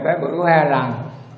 với bữa hai lần